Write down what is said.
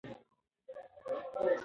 بلوڅانو د کرمان پر ولایت برید وکړ.